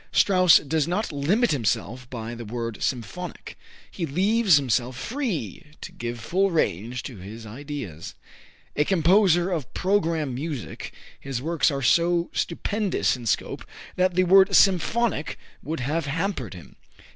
Strauss does not limit himself by the word symphonic. He leaves himself free to give full range to his ideas. A composer of "program music," his works are so stupendous in scope that the word symphonic would have hampered him.